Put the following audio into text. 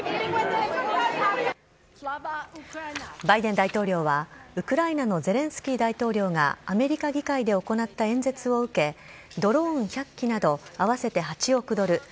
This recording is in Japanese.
バイデン大統領はウクライナのゼレンスキー大統領がアメリカ議会で行った演説を受けドローン１００機など合わせて８億ドル